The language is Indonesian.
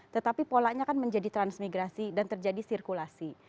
tetapi polanya kan menjadi transmigrasi dan terjadi sirkulasi